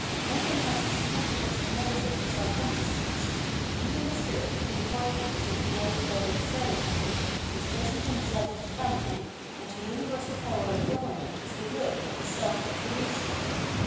Nothing has the significance of a negative of self consciousness; even the spirit of the departed is in the life blood of his relative, is present in the self of the family, and the universal power of government is the will, the.self of the nation.